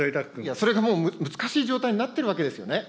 それが、もう難しい状態になってるわけですよね。